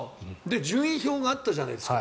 順位表があったじゃないですか